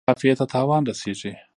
د نظم قافیې ته تاوان رسیږي.